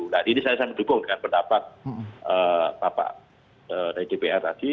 nah ini saya mendukung dengan pendapat bapak dari dpr tadi